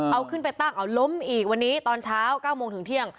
เอาขึ้นไปตั้งเอาล้มอีกวันนี้ตอนเช้า๙โมงถึงเที่ยง